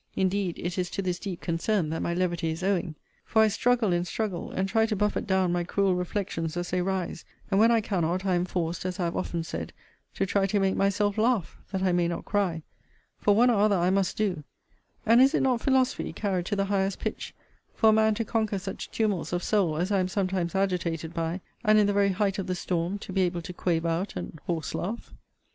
Indeed it is to this deep concern, that my levity is owing: for I struggle and struggle, and try to buffet down my cruel reflections as they rise; and when I cannot, I am forced, as I have often said, to try to make myself laugh, that I may not cry; for one or other I must do: and is it not philosophy carried to the highest pitch, for a man to conquer such tumults of soul as I am sometimes agitated by, and, in the very height of the storm, to be able to quaver out an horse laugh?